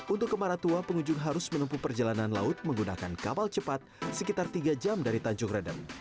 untuk ke maratua pengunjung harus menempuh perjalanan laut menggunakan kapal cepat sekitar tiga jam dari tanjung redeng